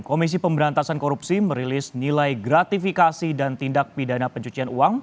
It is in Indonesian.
komisi pemberantasan korupsi merilis nilai gratifikasi dan tindak pidana pencucian uang